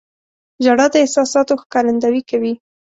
• ژړا د احساساتو ښکارندویي کوي.